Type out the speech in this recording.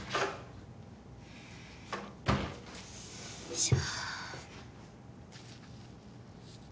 よいしょ